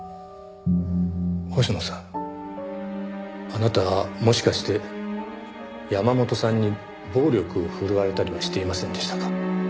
星野さんあなたもしかして山本さんに暴力を振るわれたりはしていませんでしたか？